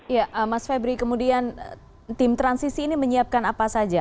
ya mas febri kemudian tim transisi ini menyiapkan apa saja